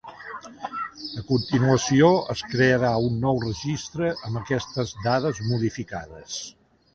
A continuació es crearà un nou registre amb aquestes dades modificades.